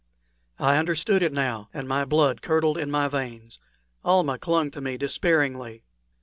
I understood it now, and my blood curdled in my veins. Almah clung to me despairingly.